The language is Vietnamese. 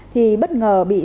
thì bất ngờ bị